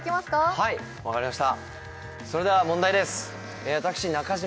はい分かりましたそれでは問題です私中島